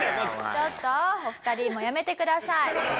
ちょっとお二人もうやめてください。